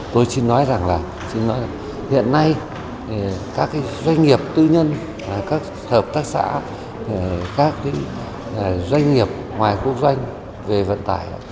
tôi xin nói rằng là hiện nay các doanh nghiệp tư nhân các hợp tác xã các doanh nghiệp ngoài khu doanh về vận tải